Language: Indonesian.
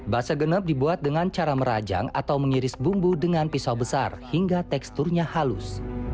bakso genep dibuat dengan cara merajang atau mengiris bumbu dengan pisau besar hingga teksturnya halus